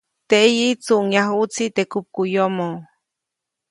Teʼyi, tsuʼŋyajuʼtsi teʼ kupkuʼyomoʼ.